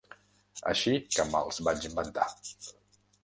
Així que me'ls vaig inventar.